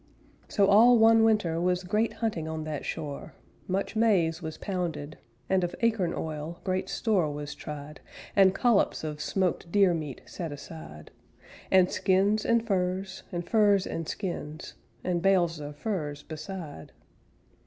So all one winter Was great hunting on that shore; Much maize was pounded, And of acorn oil great store Was tried; And collops of smoked deer meat set aside, And skins and furs, And furs and skins, And bales of furs beside.